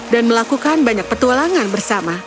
dan melakukan banyak petualangan bersama